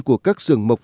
của các rừng mộc